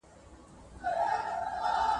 ناحقه تصرف مه کوئ.